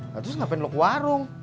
gak terus ngapain lu ke warung